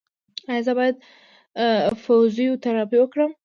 ایا زه باید فزیوتراپي وکړم؟